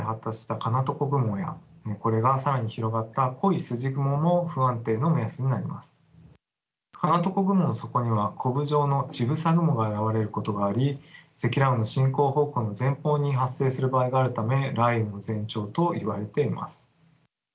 かなとこ雲の底にはこぶ状の乳房雲が現れることがあり積乱雲の進行方向の前方に発生する場合があるため雷雨の前兆といわれています。